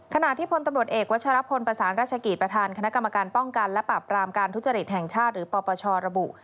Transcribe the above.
ขณะที่พลตำรวจเอกวัชรพลประสานราชกิจประธานคณะกรรมการป้องกันและปราบรามการทุจริตแห่งชาติหรือปปชระบุ